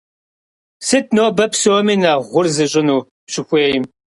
Сыт нобэ псоми нэхъ гъур защӏыну щӏыхуейм и щхьэусыгъуэу къэплъытэр?